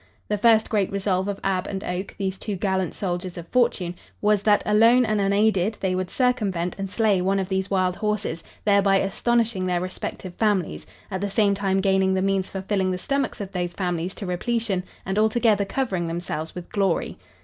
The first great resolve of Ab and Oak, these two gallant soldiers of fortune, was that, alone and unaided, they would circumvent and slay one of these wild horses, thereby astonishing their respective families, at the same time gaining the means for filling the stomachs of those families to repletion, and altogether covering themselves with glory.